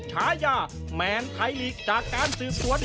ฉายาแมนไทยลีกจากการสืบสวน